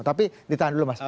tapi ditahan dulu mas